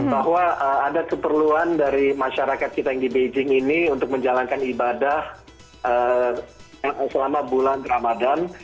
bahwa ada keperluan dari masyarakat kita yang di beijing ini untuk menjalankan ibadah selama bulan ramadan